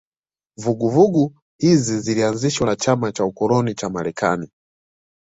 Vuguvugu hizi zilianzishwa na chama cha ukoloni cha Marekani